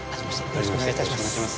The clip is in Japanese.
よろしくお願いします。